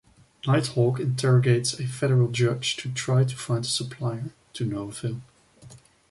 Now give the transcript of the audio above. Nighthawk interrogates a federal judge to try to find the supplier, to no avail.